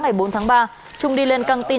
ngày bốn tháng ba trung đi lên căng tin